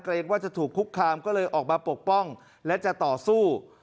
ว่าจะถูกคุกคามก็เลยออกมาปกป้องและจะต่อสู้